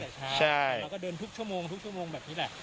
ตั้งแต่เช้าแล้วก็เดินทุกชั่วโมงทุกชั่วโมงแบบนี้แหละ